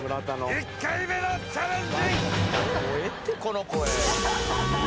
１回目のチャレンジ